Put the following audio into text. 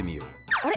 あれ！